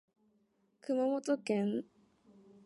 熊本県南関町